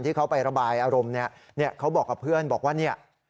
ที่เขาไประบายอารมณ์เนี่ยเขาบอกกับเพื่อนบอกว่าเนี่ย